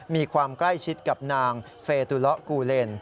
มีความใกล้ชิดกับนางเฟตุลากูเลน